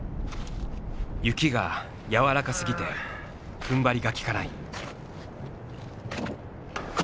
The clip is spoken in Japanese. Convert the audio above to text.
雪がやわらかすぎてふんばりが利かない。